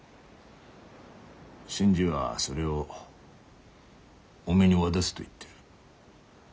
新次はそれをおめえに渡すと言ってる。